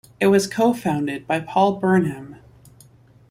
It was co-founded by Paul Burnham.